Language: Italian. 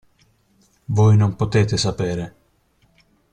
Voi non potete sapere!